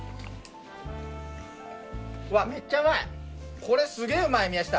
うわめっちゃうまいこれすげぇうまい宮下。